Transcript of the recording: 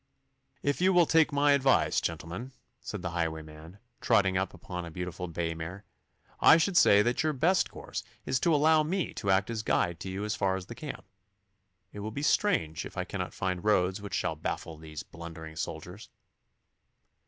'If you will take my advice, gentlemen,' said the highwayman, trotting up upon a beautiful bay mare, 'I should say that your best course is to allow me to act as guide to you as far as the camp. It will be strange if I cannot find roads which shall baffle these blundering soldiers.